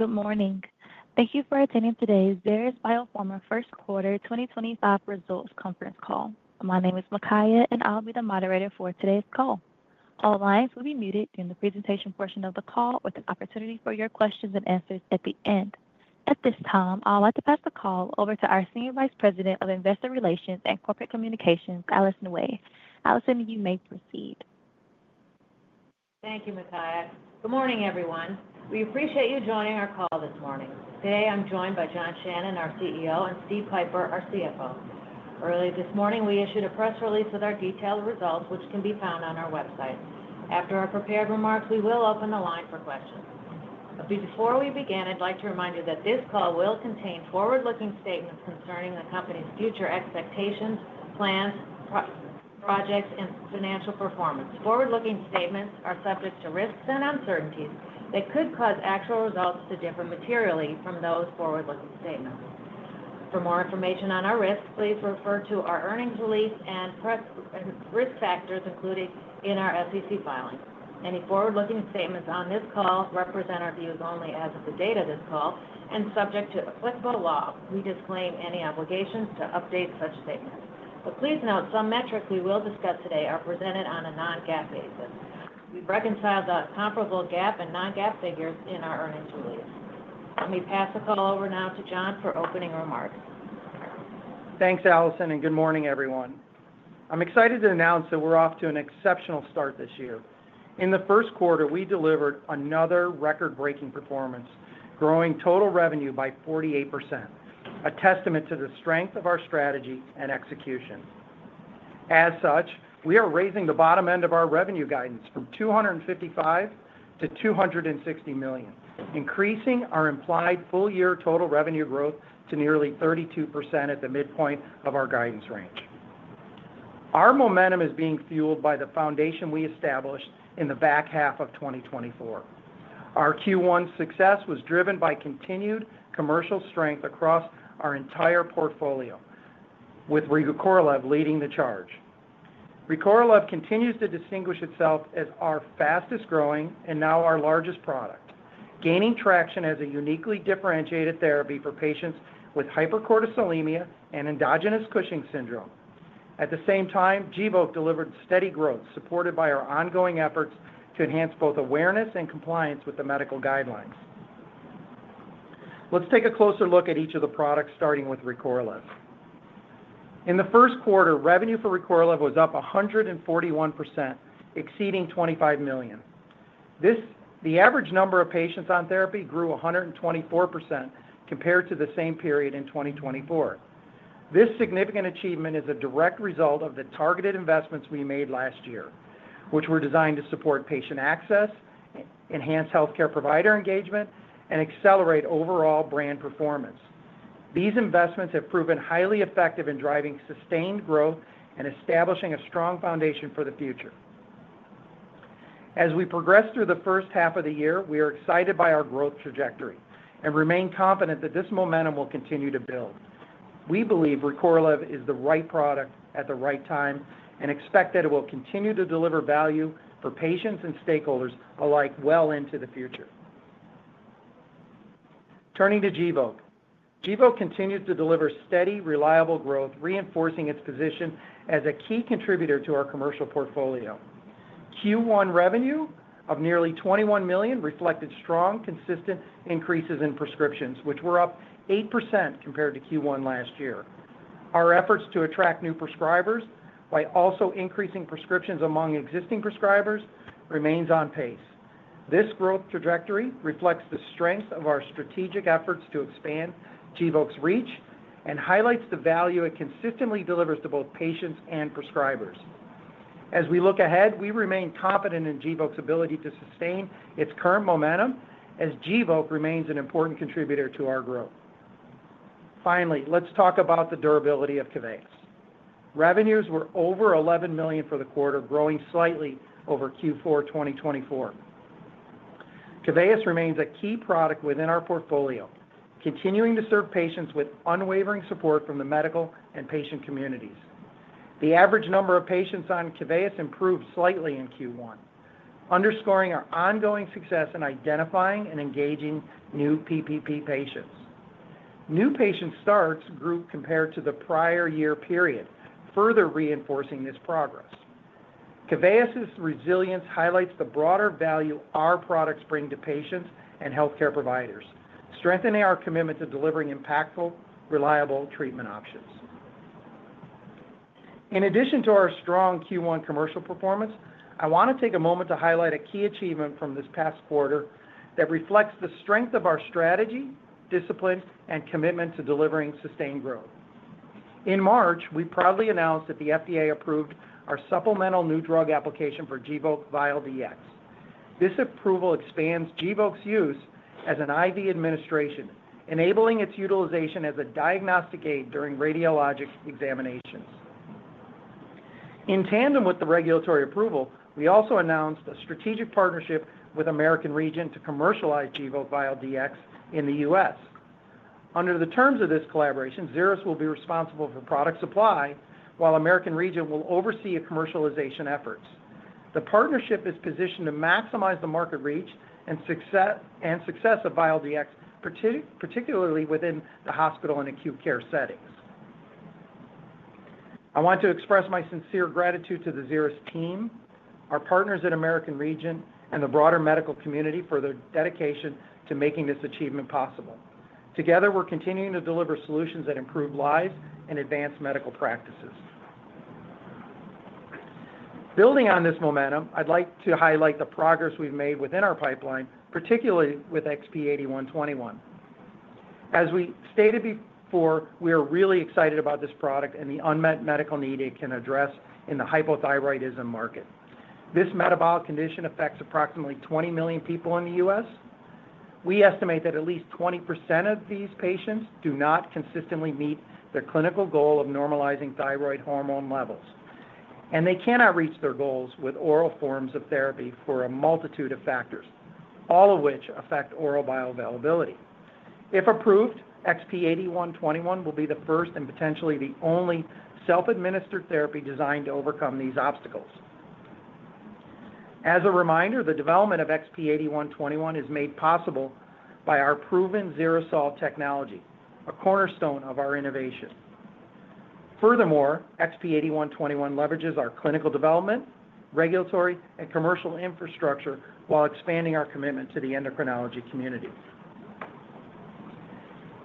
Good morning. Thank you for attending today's Xeris BIOPHARMA First Quarter 2025 Results Conference call. My name is Makiya, and I'll be the moderator for today's call. All lines will be muted during the presentation portion of the call, with an opportunity for your questions and answers at the end. At this time, I'd like to pass the call over to our Senior Vice President of Investor Relations and Corporate Communications, Allison Wey. Allison, you may proceed. Thank you, Makiya. Good morning, everyone. We appreciate you joining our call this morning. Today, I'm joined by John Shannon, our CEO, and Steve Pieper, our CFO. Early this morning, we issued a press release with our detailed results, which can be found on our website. After our prepared remarks, we will open the line for questions. Before we begin, I'd like to remind you that this call will contain forward-looking statements concerning the company's future expectations, plans, projects, and financial performance. Forward-looking statements are subject to risks and uncertainties that could cause actual results to differ materially from those forward-looking statements. For more information on our risks, please refer to our earnings release and risk factors included in our SEC filing. Any forward-looking statements on this call represent our views only as of the date of this call and are subject to applicable law. We disclaim any obligations to update such statements. Please note, some metrics we will discuss today are presented on a non-GAAP basis. We have reconciled the comparable GAAP and non-GAAP figures in our earnings release. Let me pass the call over now to John for opening remarks. Thanks, Alison, and good morning, everyone. I'm excited to announce that we're off to an exceptional start this year. In the first quarter, we delivered another record-breaking performance, growing total revenue by 48%, a testament to the strength of our strategy and execution. As such, we are raising the bottom end of our revenue guidance from $255 million to $260 million, increasing our implied full-year total revenue growth to nearly 32% at the midpoint of our guidance range. Our momentum is being fueled by the foundation we established in the back half of 2023. Our Q1 success was driven by continued commercial strength across our entire portfolio, with Recorlev leading the charge. Recorlev continues to distinguish itself as our fastest-growing and now our largest product, gaining traction as a uniquely differentiated therapy for patients with hypercortisolemia and endogenous Cushing's syndrome. At the same time, Gvoke delivered steady growth, supported by our ongoing efforts to enhance both awareness and compliance with the medical guidelines. Let's take a closer look at each of the products, starting with Recorlev. In the first quarter, revenue for Recorlev was up 141%, exceeding $25 million. The average number of patients on therapy grew 124% compared to the same period in 2024. This significant achievement is a direct result of the targeted investments we made last year, which were designed to support patient access, enhance healthcare provider engagement, and accelerate overall brand performance. These investments have proven highly effective in driving sustained growth and establishing a strong foundation for the future. As we progress through the first half of the year, we are excited by our growth trajectory and remain confident that this momentum will continue to build. We believe Recorlev is the right product at the right time and expect that it will continue to deliver value for patients and stakeholders alike well into the future. Turning to Gvoke, Gvoke continues to deliver steady, reliable growth, reinforcing its position as a key contributor to our commercial portfolio. Q1 revenue of nearly $21 million reflected strong, consistent increases in prescriptions, which were up 8% compared to Q1 last year. Our efforts to attract new prescribers by also increasing prescriptions among existing prescribers remain on pace. This growth trajectory reflects the strength of our strategic efforts to expand Gvoke's reach and highlights the value it consistently delivers to both patients and prescribers. As we look ahead, we remain confident in Gvoke's ability to sustain its current momentum as Gvoke remains an important contributor to our growth. Finally, let's talk about the durability of Keveyis. Revenues were over $11 million for the quarter, growing slightly over Q4 2024. Keveyis remains a key product within our portfolio, continuing to serve patients with unwavering support from the medical and patient communities. The average number of patients on Keveyis improved slightly in Q1, underscoring our ongoing success in identifying and engaging new PPP patients. New patient starts grew compared to the prior year period, further reinforcing this progress. Keveyis's resilience highlights the broader value our products bring to patients and healthcare providers, strengthening our commitment to delivering impactful, reliable treatment options. In addition to our strong Q1 commercial performance, I want to take a moment to highlight a key achievement from this past quarter that reflects the strength of our strategy, discipline, and commitment to delivering sustained growth. In March, we proudly announced that the FDA approved our supplemental new drug application for Gvoke Vial DX. This approval expands Gvoke's use as an IV administration, enabling its utilization as a diagnostic aid during radiologic examinations. In tandem with the regulatory approval, we also announced a strategic partnership with American Regent to commercialize Gvoke Vial DX in the U.S. Under the terms of this collaboration, Xeris will be responsible for product supply, while American Regent will oversee commercialization efforts. The partnership is positioned to maximize the market reach and success of Vial DX, particularly within the hospital and acute care settings. I want to express my sincere gratitude to the Xeris team, our partners at American Regent, and the broader medical community for their dedication to making this achievement possible. Together, we're continuing to deliver solutions that improve lives and advance medical practices. Building on this momentum, I'd like to highlight the progress we've made within our pipeline, particularly with XP-8121. As we stated before, we are really excited about this product and the unmet medical need it can address in the hypothyroidism market. This metabolic condition affects approximately 20 million people in the U.S. We estimate that at least 20% of these patients do not consistently meet their clinical goal of normalizing thyroid hormone levels, and they cannot reach their goals with oral forms of therapy for a multitude of factors, all of which affect oral bioavailability. If approved, XP-8121 will be the first and potentially the only self-administered therapy designed to overcome these obstacles. As a reminder, the development of XP-8121 is made possible by our proven XeriSol technology, a cornerstone of our innovation. Furthermore, XP-8121 leverages our clinical development, regulatory, and commercial infrastructure while expanding our commitment to the endocrinology community.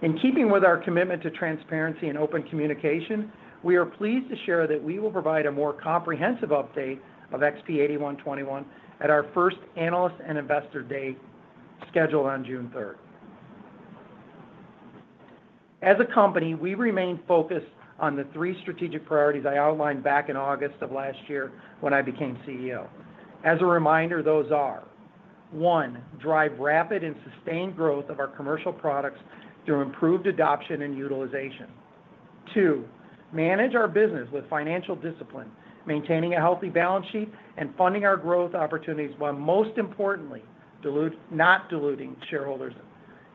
In keeping with our commitment to transparency and open communication, we are pleased to share that we will provide a more comprehensive update of XP-8121 at our first Analysts and Investors Day scheduled on June 3. As a company, we remain focused on the three strategic priorities I outlined back in August of last year when I became CEO. As a reminder, those are: one, drive rapid and sustained growth of our commercial products through improved adoption and utilization; two, manage our business with financial discipline, maintaining a healthy balance sheet and funding our growth opportunities while, most importantly, not diluting shareholders;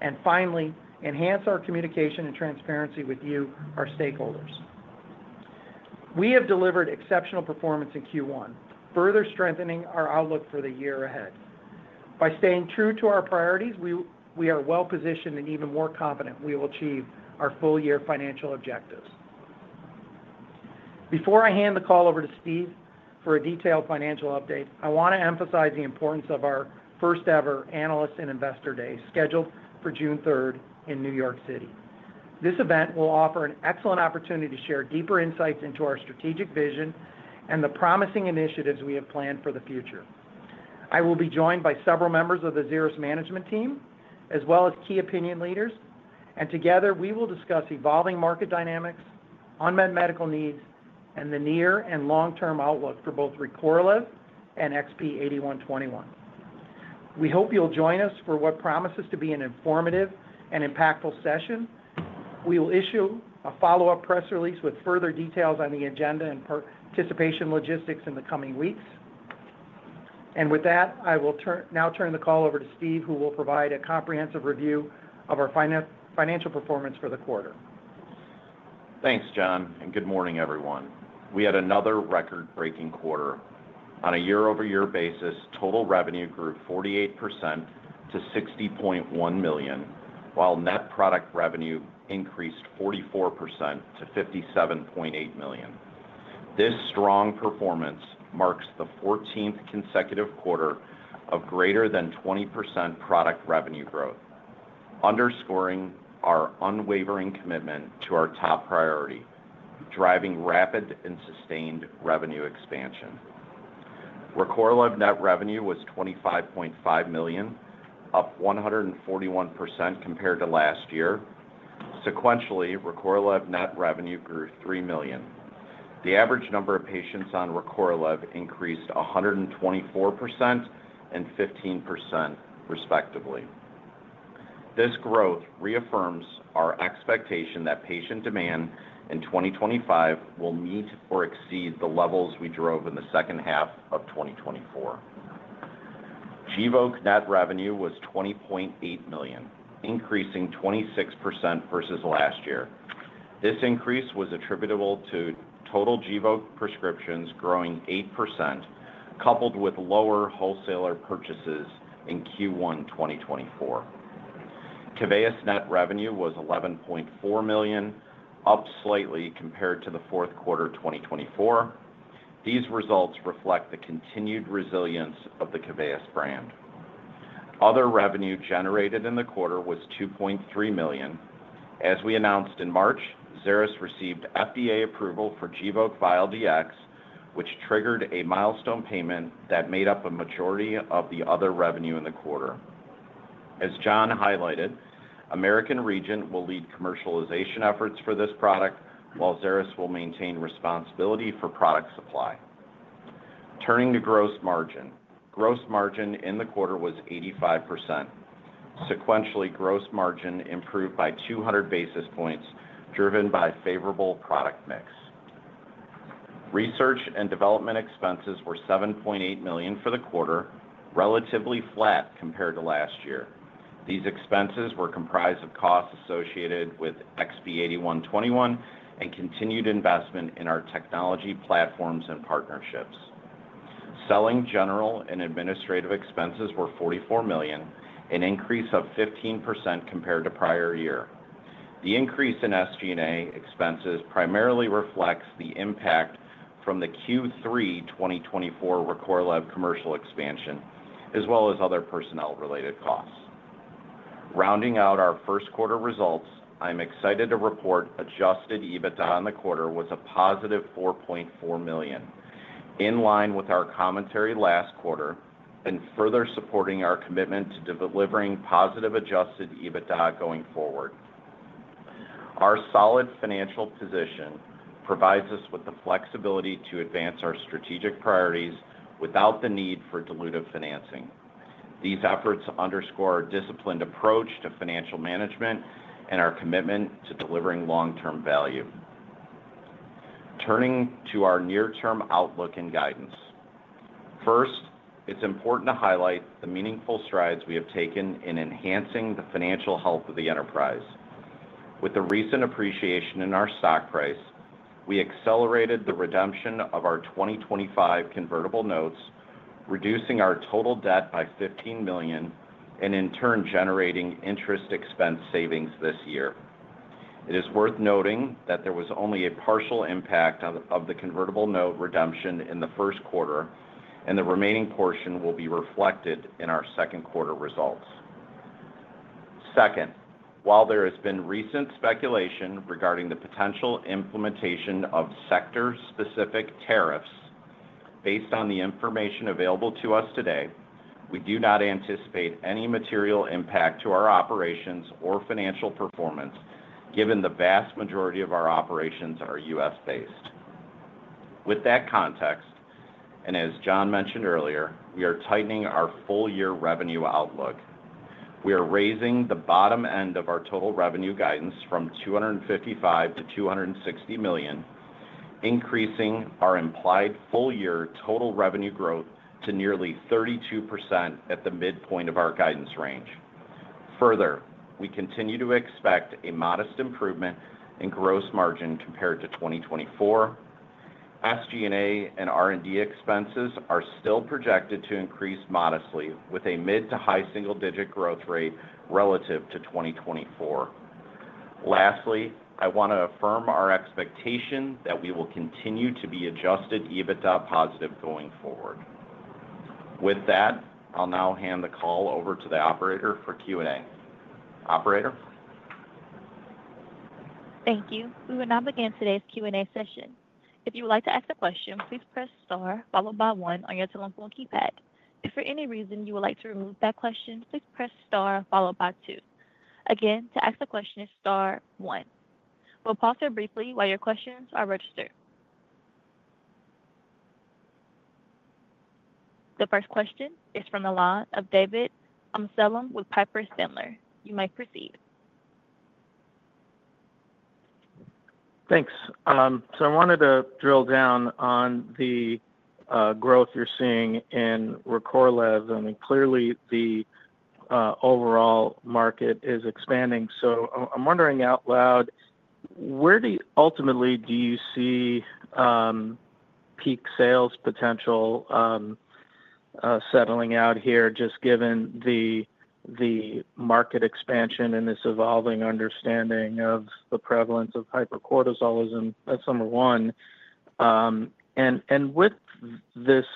and finally, enhance our communication and transparency with you, our stakeholders. We have delivered exceptional performance in Q1, further strengthening our outlook for the year ahead. By staying true to our priorities, we are well-positioned and even more confident we will achieve our full-year financial objectives. Before I hand the call over to Steve for a detailed financial update, I want to emphasize the importance of our first-ever Analysts and Investors Day scheduled for June 3 in New York City. This event will offer an excellent opportunity to share deeper insights into our strategic vision and the promising initiatives we have planned for the future. I will be joined by several members of the Xeris management team, as well as key opinion leaders, and together, we will discuss evolving market dynamics, unmet medical needs, and the near and long-term outlook for both Recorlev and XP-8121. We hope you'll join us for what promises to be an informative and impactful session. We will issue a follow-up press release with further details on the agenda and participation logistics in the coming weeks. With that, I will now turn the call over to Steve, who will provide a comprehensive review of our financial performance for the quarter. Thanks, John, and good morning, everyone. We had another record-breaking quarter. On a year-over-year basis, total revenue grew 48% to $60.1 million, while net product revenue increased 44% to $57.8 million. This strong performance marks the 14th consecutive quarter of greater than 20% product revenue growth, underscoring our unwavering commitment to our top priority, driving rapid and sustained revenue expansion. Recorlev net revenue was $25.5 million, up 141% compared to last year. Sequentially, Recorlev Net revenue grew $3 million. The average number of patients on Recorlev increased 124% and 15%, respectively. This growth reaffirms our expectation that patient demand in 2025 will meet or exceed the levels we drove in the second half of 2024. Gvoke net revenue was $20.8 million, increasing 26% versus last year. This increase was attributable to total Gvoke prescriptions growing 8%, coupled with lower wholesaler purchases in Q1 2024. Keveyis Net revenue was $11.4 million, up slightly compared to the fourth quarter 2024. These results reflect the continued resilience of the Keveyis brand. Other revenue generated in the quarter was $2.3 million. As we announced in March, Xeris received FDA approval for Gvoke Vial DX, which triggered a milestone payment that made up a majority of the other revenue in the quarter. As John highlighted, American Regent will lead commercialization efforts for this product, while Xeris will maintain responsibility for product supply. Turning to Gross margin, Gross margin in the quarter was 85%. Sequentially, Gross margin improved by 200 basis points, driven by favorable product mix. Research and development expenses were $7.8 million for the quarter, relatively flat compared to last year. These expenses were comprised of costs associated with XP-8121 and continued investment in our technology platforms and partnerships. Selling, general, and administrative expenses were $44 million, an increase of 15% compared to prior year. The increase in SG&A expenses primarily reflects the impact from the Q3 2024 Recorlev commercial expansion, as well as other personnel-related costs. Rounding out our first quarter results, I'm excited to report Adjusted EBITDA on the quarter was a positive $4.4 million, in line with our commentary last quarter and further supporting our commitment to delivering positive Adjusted EBITDA going forward. Our solid financial position provides us with the flexibility to advance our strategic priorities without the need for dilutive financing. These efforts underscore our disciplined approach to financial management and our commitment to delivering long-term value. Turning to our near-term outlook and guidance. First, it's important to highlight the meaningful strides we have taken in enhancing the financial health of the enterprise. With the recent appreciation in our stock price, we accelerated the redemption of our 2025 convertible notes, reducing our total debt by $15 million and, in turn, generating interest expense savings this year. It is worth noting that there was only a partial impact of the convertible note redemption in the first quarter, and the remaining portion will be reflected in our second quarter results. Second, while there has been recent speculation regarding the potential implementation of sector-specific tariffs, based on the information available to us today, we do not anticipate any material impact to our operations or financial performance, given the vast majority of our operations are U.S.-based. With that context, and as John mentioned earlier, we are tightening our full-year revenue outlook. We are raising the bottom end of our total revenue guidance from $255 million to $260 million, increasing our implied full-year total revenue growth to nearly 32% at the midpoint of our guidance range. Further, we continue to expect a modest improvement in Gross margin compared to 2024. SG&A and R&D expenses are still projected to increase modestly, with a mid to high single-digit growth rate relative to 2024. Lastly, I want to affirm our expectation that we will continue to be Adjusted EBITDA positive going forward. With that, I'll now hand the call over to the operator for Q&A. Operator. Thank you. We will now begin today's Q&A session. If you would like to ask a question, please press Star followed by 1 on your telephone keypad. If for any reason you would like to remove that question, please press Star followed by 2. Again, to ask a question is Star 1. We'll pause here briefly while your questions are registered. The first question is from the line of David Amsellem with Piper Sandler. You may proceed. Thanks. I wanted to drill down on the growth you're seeing in Recorlev. I mean, clearly, the overall market is expanding. I'm wondering out loud, where ultimately do you see peak sales potential settling out here, just given the market expansion and this evolving understanding of the prevalence of hypercortisolemia as number one? With this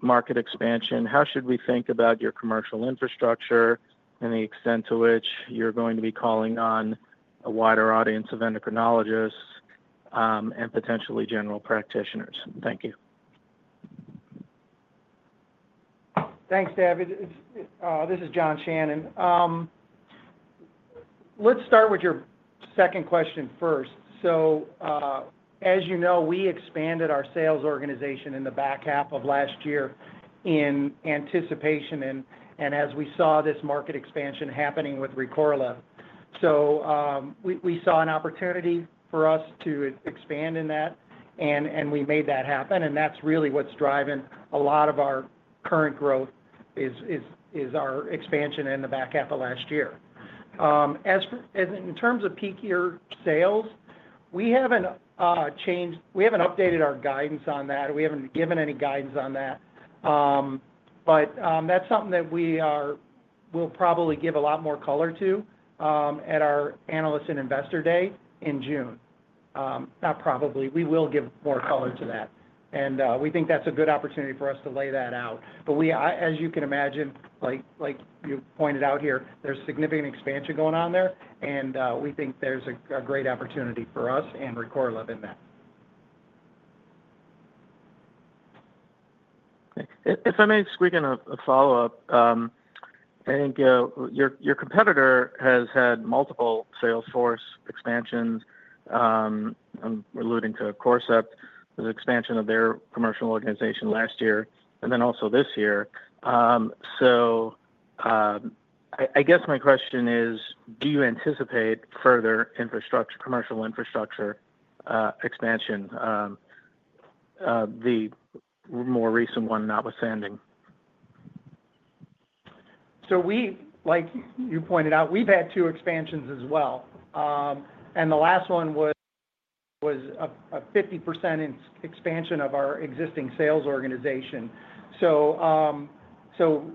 market expansion, how should we think about your commercial infrastructure and the extent to which you're going to be calling on a wider audience of endocrinologists and potentially general practitioners? Thank you. Thanks, David. This is John Shannon. Let's start with your second question first. As you know, we expanded our sales organization in the back half of last year in anticipation and as we saw this market expansion happening with Recorlev. We saw an opportunity for us to expand in that, and we made that happen. That's really what's driving a lot of our current growth, our expansion in the back half of last year. In terms of peak year sales, we haven't updated our guidance on that. We haven't given any guidance on that. That's something that we will probably give a lot more color to at our Analysts and Investors Day in June. Not probably. We will give more color to that. We think that's a good opportunity for us to lay that out. As you can imagine, like you pointed out here, there's significant expansion going on there, and we think there's a great opportunity for us and Recorlev in that. If I may squeak in a follow-up, I think your competitor has had multiple Salesforce expansions. I'm alluding to Corcept, the expansion of their commercial organization last year, and then also this year. I guess my question is, do you anticipate further commercial infrastructure expansion, the more recent one notwithstanding? Like you pointed out, we've had two expansions as well. The last one was a 50% expansion of our existing sales organization.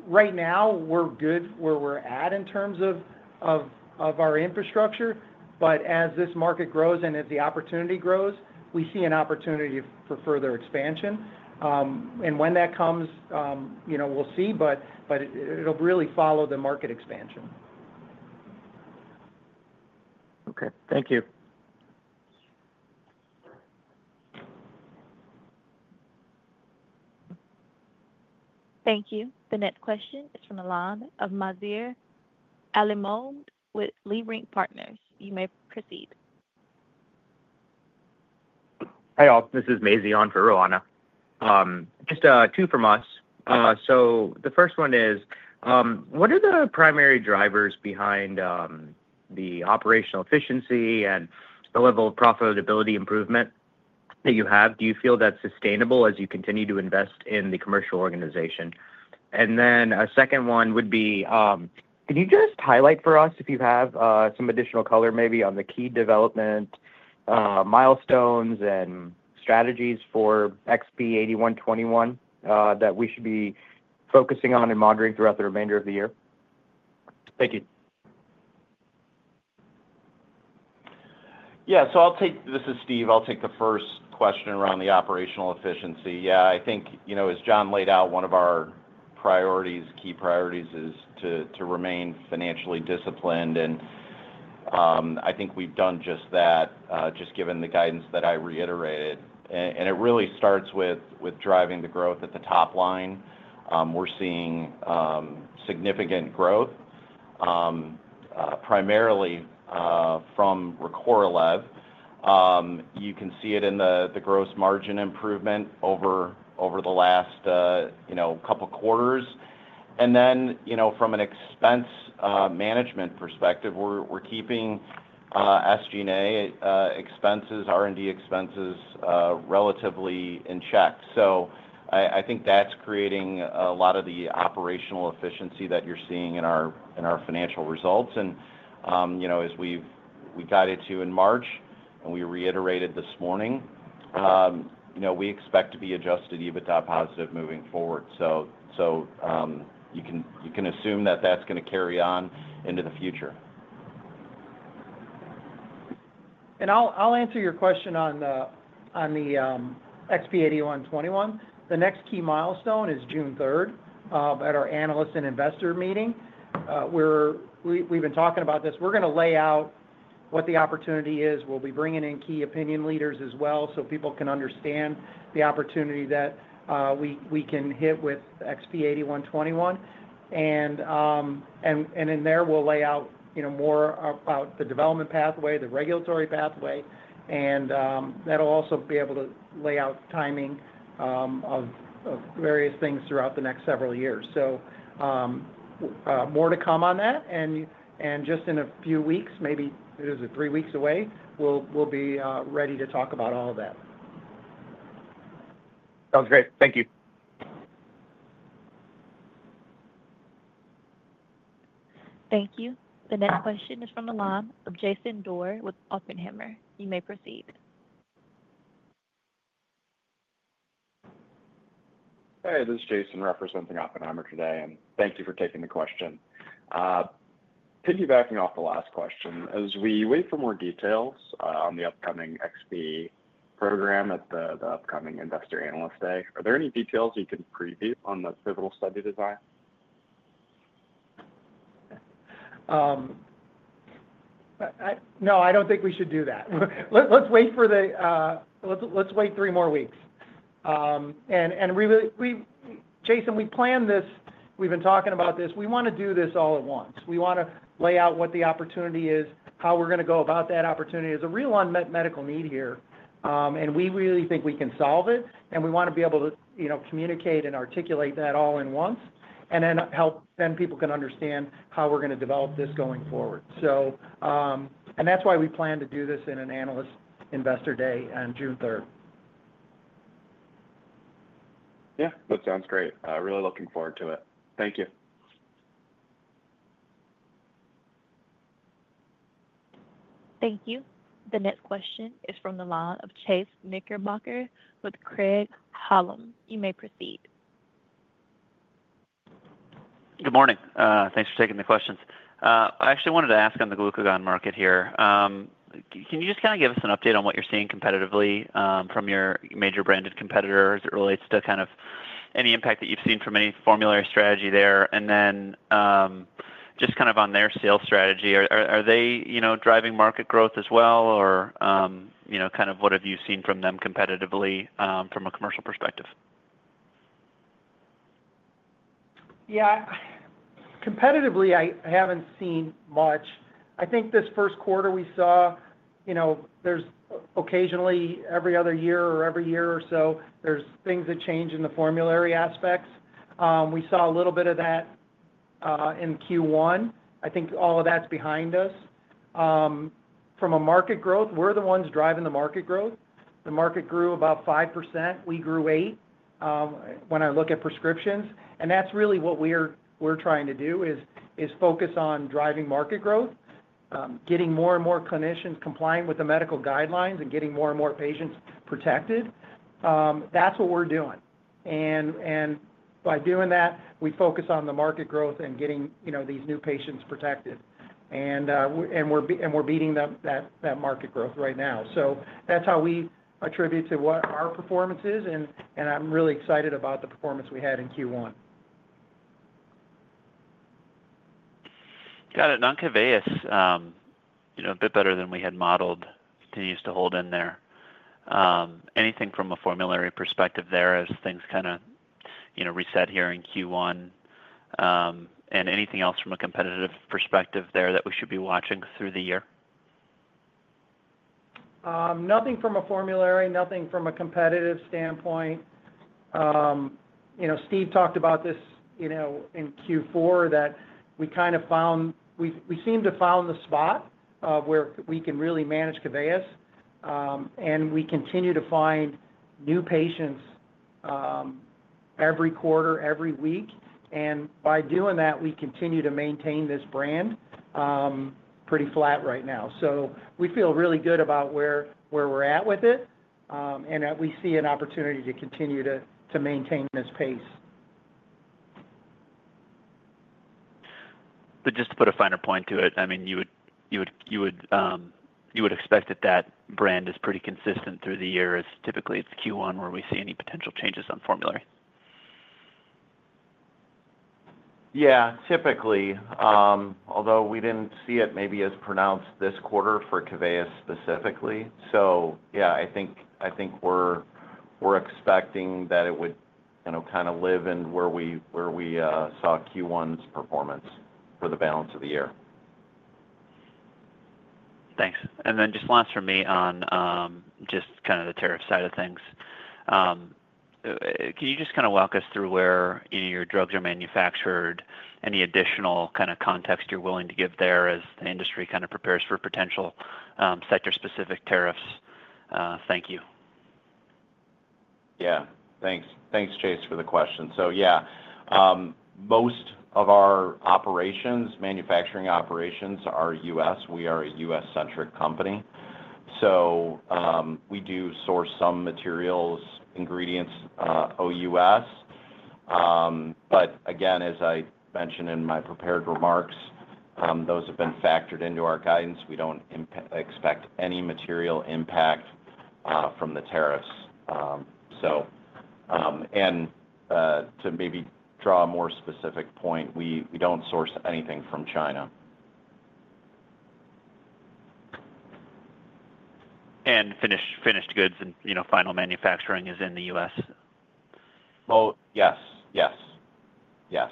Right now, we're good where we're at in terms of our infrastructure. As this market grows and as the opportunity grows, we see an opportunity for further expansion. When that comes, we'll see, but it'll really follow the market expansion. Okay. Thank you. Thank you. The next question is from the line of Mazahir Alimohamed with Leerink Partners. You may proceed. Hi, all. This is Mazahir on for Rowana. Just two from us. The first one is, what are the primary drivers behind the operational efficiency and the level of profitability improvement that you have? Do you feel that's sustainable as you continue to invest in the commercial organization? A second one would be, can you just highlight for us, if you have, some additional color maybe on the key development milestones and strategies for XP-8121 that we should be focusing on and monitoring throughout the remainder of the year? Thank you. Yeah. This is Steve. I'll take the first question around the operational efficiency. Yeah, I think, as John laid out, one of our key priorities is to remain financially disciplined. I think we've done just that, just given the guidance that I reiterated. It really starts with driving the growth at the top line. We're seeing significant growth, primarily from Recorlev. You can see it in the gross margin improvement over the last couple of quarters. From an expense management perspective, we're keeping SG&A expenses, R&D expenses relatively in check. I think that's creating a lot of the operational efficiency that you're seeing in our financial results. As we guided to in March and we reiterated this morning, we expect to be Adjusted EBITDA positive moving forward. You can assume that that's going to carry on into the future. I'll answer your question on the XP-8121. The next key milestone is June 3 at our Analysts and Investors meeting. We've been talking about this. We're going to lay out what the opportunity is. We'll be bringing in key opinion leaders as well so people can understand the opportunity that we can hit with XP-8121. In there, we'll lay out more about the development pathway, the regulatory pathway. That'll also be able to lay out timing of various things throughout the next several years. More to come on that. In just a few weeks, maybe it is three weeks away, we'll be ready to talk about all of that. Sounds great. Thank you. Thank you. The next question is from the line of Jason Doerr with Oppenheimer. You may proceed. Hey, this is Jason representing Oppenheimer today. Thank you for taking the question. Piggybacking off the last question, as we wait for more details on the upcoming XP program at the upcoming Investor Analyst Day, are there any details you can preview on the pivotal study design? No, I don't think we should do that. Let's wait three more weeks. Jason, we planned this. We've been talking about this. We want to do this all at once. We want to lay out what the opportunity is, how we're going to go about that opportunity. There's a real unmet medical need here. We really think we can solve it. We want to be able to communicate and articulate that all at once, and then people can understand how we're going to develop this going forward. That's why we plan to do this in an Analysts and Investors Day on June 3. Yeah. That sounds great. Really looking forward to it. Thank you. Thank you. The next question is from the line of Chase Knickerbocker with Craig-Hallum. You may proceed. Good morning. Thanks for taking the questions. I actually wanted to ask on the glucagon market here. Can you just kind of give us an update on what you're seeing competitively from your major branded competitors as it relates to kind of any impact that you've seen from any formulary strategy there? Then just kind of on their sales strategy, are they driving market growth as well? Or kind of what have you seen from them competitively from a commercial perspective? Yeah. Competitively, I have not seen much. I think this first quarter we saw, occasionally, every other year or every year or so, there are things that change in the formulary aspects. We saw a little bit of that in Q1. I think all of that is behind us. From a market growth, we are the ones driving the market growth. The market grew about 5%. We grew 8% when I look at prescriptions. That is really what we are trying to do, focus on driving market growth, getting more and more clinicians complying with the medical guidelines, and getting more and more patients protected. That is what we are doing. By doing that, we focus on the market growth and getting these new patients protected. We are beating that market growth right now. That is how we attribute to what our performance is. I am really excited about the performance we had in Q1. Got it. On Keveyis, a bit better than we had modeled. Continues to hold in there. Anything from a formulary perspective there as things kind of reset here in Q1? Anything else from a competitive perspective there that we should be watching through the year? Nothing from a formulary. Nothing from a competitive standpoint. Steve talked about this in Q4 that we kind of found we seem to find the spot where we can really manage Keveyis. We continue to find new patients every quarter, every week. By doing that, we continue to maintain this brand pretty flat right now. We feel really good about where we're at with it. We see an opportunity to continue to maintain this pace. Just to put a finer point to it, I mean, you would expect that that brand is pretty consistent through the year as typically it's Q1 where we see any potential changes on formulary. Yeah. Typically, although we did not see it maybe as pronounced this quarter for Keveyis specifically. Yeah, I think we are expecting that it would kind of live in where we saw Q1's performance for the balance of the year. Thanks. And then just last for me on just kind of the tariff side of things. Can you just kind of walk us through where your drugs are manufactured? Any additional kind of context you're willing to give there as the industry kind of prepares for potential sector-specific tariffs? Thank you. Yeah. Thanks. Thanks, Chase, for the question. Yeah, most of our manufacturing operations are U.S. We are a U.S.-centric company. We do source some materials, ingredients OUS. As I mentioned in my prepared remarks, those have been factored into our guidance. We do not expect any material impact from the tariffs. To maybe draw a more specific point, we do not source anything from China. Finished goods and final manufacturing is in the U.S.? Yes. Yes. Yes.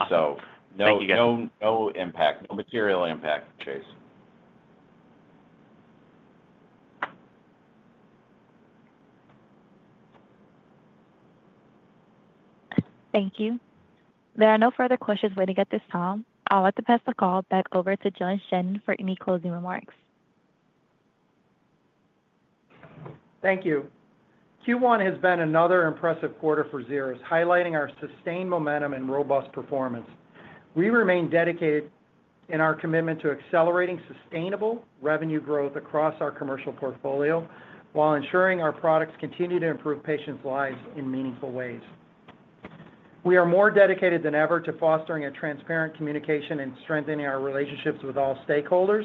Awesome. Thank you, guys. No impact. No material impact, Chase. Thank you. There are no further questions waiting at this time. I'll let the pass the call back over to John Shannon for any closing remarks. Thank you. Q1 has been another impressive quarter for Xeris, highlighting our sustained momentum and robust performance. We remain dedicated in our commitment to accelerating sustainable revenue growth across our commercial portfolio while ensuring our products continue to improve patients' lives in meaningful ways. We are more dedicated than ever to fostering transparent communication and strengthening our relationships with all stakeholders.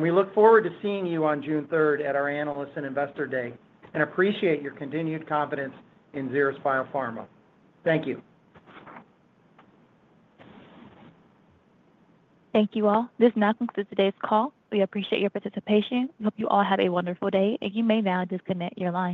We look forward to seeing you on June 3 at our Analysts and Investors Day and appreciate your continued confidence in Xeris BIOPHARMA. Thank you. Thank you all. This now concludes today's call. We appreciate your participation. We hope you all have a wonderful day. You may now disconnect your line.